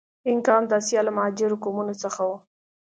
اینکا هم د آسیا له مهاجرو قومونو څخه و.